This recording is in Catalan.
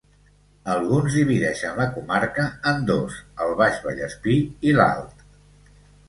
Alguns divideixen la comarca en dos, el Baix Vallespir i l'Alt.